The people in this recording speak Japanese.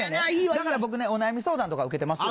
だから僕ねお悩み相談とか受けてますよ。